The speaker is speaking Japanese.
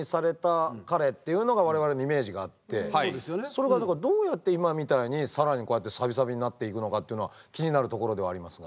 それがだからどうやって今みたいに更にこうやってサビサビになっていくのかっていうのは気になるところではありますが。